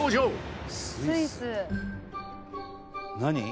何？